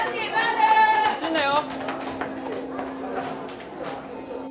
走んなよ！